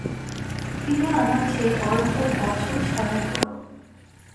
তিনি আমার চেয়ে বড়োজোর বছর ছয়েক বড়ো।